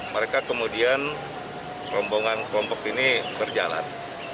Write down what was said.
mereka kemudian rombongan kelompok ini berjalan